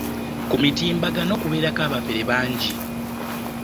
ku mitimbagano kubeerako abafere bangi.